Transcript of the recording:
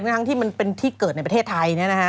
ทั้งที่มันเป็นที่เกิดในประเทศไทย